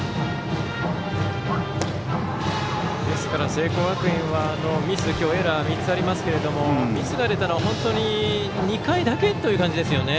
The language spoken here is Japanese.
聖光学院はミス、エラー３つありますけどミスが出たのは２回だけという感じですよね。